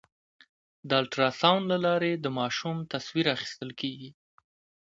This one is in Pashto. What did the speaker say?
د الټراساونډ له لارې د ماشوم تصویر اخیستل کېږي.